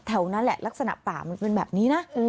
นั่นแหละลักษณะป่ามันเป็นแบบนี้นะ